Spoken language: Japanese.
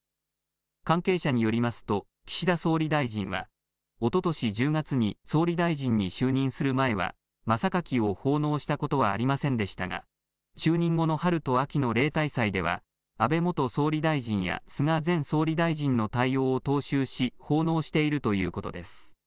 関係者によりますと岸田総理大臣はおととし１０月に総理大臣に就任する前は真榊を奉納したことはありませんでしたが就任後の春と秋の例大祭では安倍元総理大臣や菅前総理大臣の対応を踏襲し奉納しているということです。